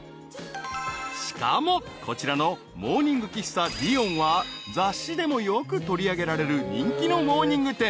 ［しかもこちらのモーニング喫茶リヨンは雑誌でもよく取り上げられる人気のモーニング店］